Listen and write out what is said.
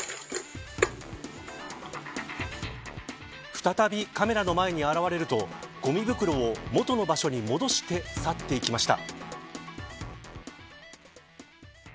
再びカメラの前に現れるとごみ袋を元の場所に戻して去っていきました。